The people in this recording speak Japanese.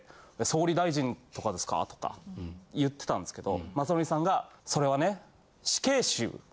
「総理大臣とかですか？」とか言ってたんですけど雅紀さんが。